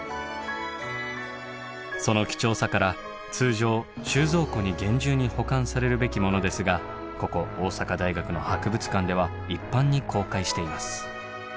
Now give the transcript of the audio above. その貴重さから通常収蔵庫に厳重に保管されるべきものですがここ大阪大学の博物館では一般に公開しています。